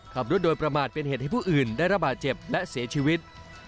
ขับรถโดยประมาทเป็นเหตุให้ผู้อื่นได้ระบาดเจ็บและเสียชีวิต